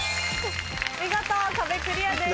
見事壁クリアです。